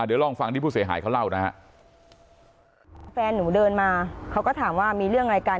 เดี๋ยวลองฟังที่ผู้เสียหายเขาเล่านะฮะแฟนหนูเดินมาเขาก็ถามว่ามีเรื่องอะไรกัน